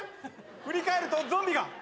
振り返るとゾンビが。